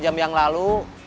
dua jam yang lalu